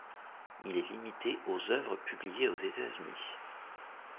Il est limité aux œuvres publiées aux États-Unis.